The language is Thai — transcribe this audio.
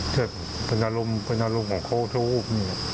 ถ้าเป็นอารมณ์ของเขาเที่ยวอูบ